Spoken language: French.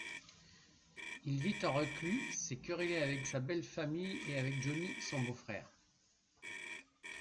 Il vit en reclus, s'est querellé avec sa belle-famille et avec Johnny, son beau-frère.